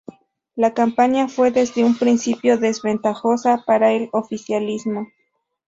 La campaña fue desde un principio desventajosa para el oficialismo.